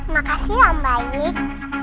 makasih om baik